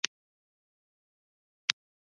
هر هغه څه چې وزن ولري او ځای ونیسي ماده بلل کیږي.